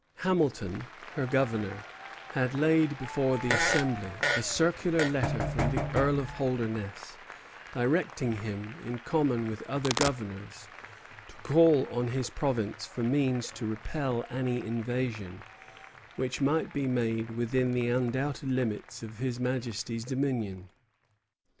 Hamilton, her governor, had laid before the Assembly a circular letter from the Earl of Holdernesse directing him, in common with other governors, to call on his province for means to repel any invasion which might be made "within the undoubted limits of His Majesty's dominion."